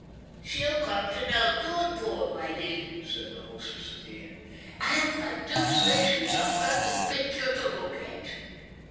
"She'll come to no good, poor lady," said the hostess of the inn. "And they do say she's a perfect picture to look at."